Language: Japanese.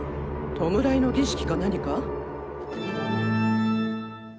弔いの儀式か何か？